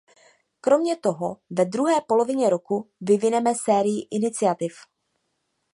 Kromě toho, ve druhé polovině roku vyvineme sérii iniciativ.